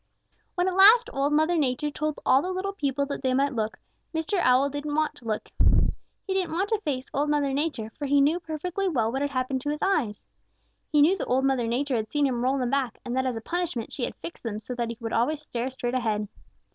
"When at last Old Mother Nature told all the little people that they might look, Mr. Owl didn't want to look. He didn't want to face Old Mother Nature, for he knew perfectly well what had happened to his eyes. He knew that Old Mother Nature had seen him roll them back, and that as a punishment she had fixed them so that he would always stare straight ahead.